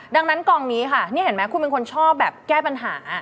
ดังนั้นกองนี้ค่ะนี่เห็นไหมคุณเป็นคนชอบแบบแก้ปัญหา